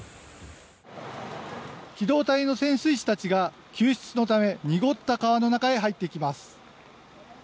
機動隊の潜水士たちが救出のため濁った川の中へ入っていきます。